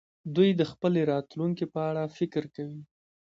دوی د خپلې راتلونکې په اړه فکر کوي.